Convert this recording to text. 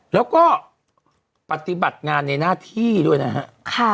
แล้วก็ปฏิบัติงานในหน้าที่ด้วยนะฮะ